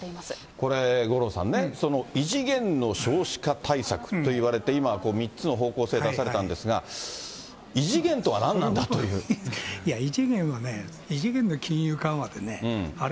これ、五郎さんね、異次元の少子化対策といわれて、３つの方向性出されたんですが、異次元はね、異次元の金融緩和でね、あれ？